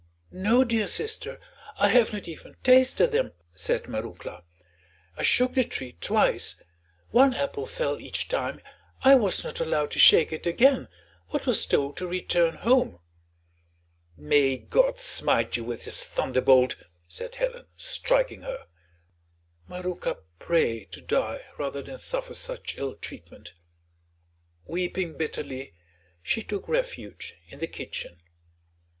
"No, dear sister, I have not even tasted them," said Marouckla. "I shook the tree twice; one apple fell each time. I was not allowed to shake it again, but was told to return home." "May God smite you with his thunderbolt," said Helen, striking her. Marouckla prayed to die rather than suffer such ill treatment. Weeping bitterly, she took refuge in the kitchen.